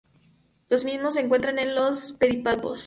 Los mismos se encuentran en los pedipalpos.